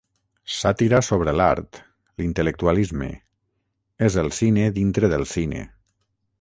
Sàtira sobre l'art, l'intel·lectualisme; és el cine dintre del cine.